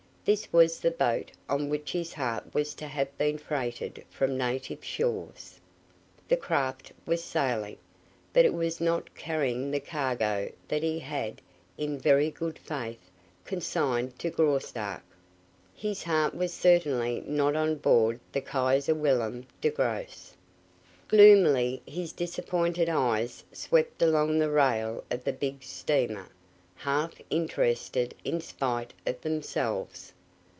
This was the boat on which his heart was to have been freighted from native shores. The craft was sailing, but it was not carrying the cargo that he had, in very good faith, consigned to Graustark. His heart was certainly not on board the Kaiser Wilhelm der Grosse. Gloomily his disappointed eyes swept along the rail of the big steamer, half interested in spite of themselves.